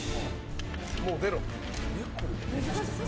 もう出ろ。